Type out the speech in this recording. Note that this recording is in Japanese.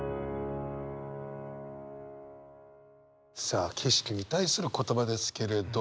さあ景色に対する言葉ですけれど。